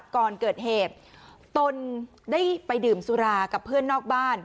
ก่อนเกิดเหตุตนได้ไปดื่มสุรากับเพื่อนนอกบ้าน